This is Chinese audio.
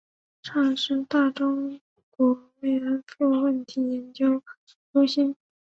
上师大中国慰安妇问题研究中心